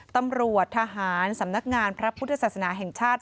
ตำรวจทหารสำนักงานพระพุทธศาสนาแห่งชาติ